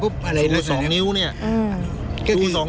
อย่างสี่นิ้วเนี่ยแสดงความสุขคุ้ม่อง